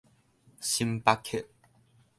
星巴克